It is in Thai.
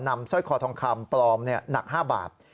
สร้อยคอทองคำปลอมหนัก๕บาท